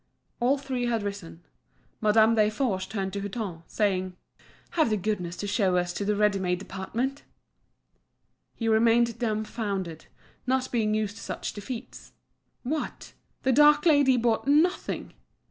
All three had risen. Madame Desforges turned to Hutin, saying: "Have the goodness to show us to the ready made department." He remained dumbfounded, not being used to such defeats. What! the dark lady bought nothing!